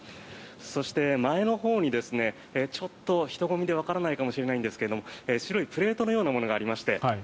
そして、前のほうにちょっと人混みでわからないかもしれないんですが白いプレートのようなものがありまして